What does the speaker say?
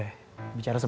kamu yang ketiga